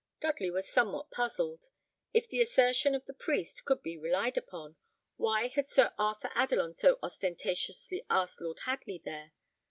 Dudley was somewhat puzzled. If the assertion of the priest could be relied upon, why had Sir Arthur Adelon so ostentatiously asked Lord Hadley there.